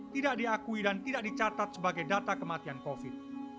tidak diakui dan tidak dicatat sebagai data kematian covid